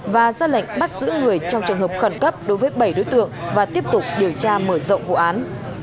và ra lệnh bắt giữ người trong trường hợp khẩn cấp đối với bảy đối tượng và tiếp tục điều tra mở rộng vụ án